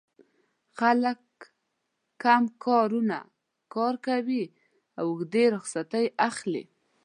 خلک کم ساعتونه کار کوي او اوږدې رخصتۍ اخلي